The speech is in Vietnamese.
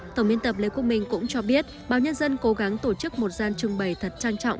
tổng biên tập lê quốc minh cũng cho biết báo nhân dân cố gắng tổ chức một gian trưng bày thật trang trọng